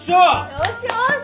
よしよし。